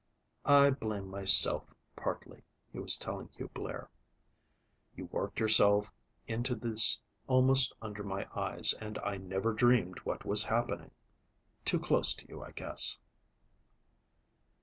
"I blame myself partly," he was telling Hugh Blair. "You worked yourself into this almost under my eyes, and I never dreamed what was happening. Too close to you, I guess."